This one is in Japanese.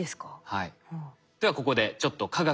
はい。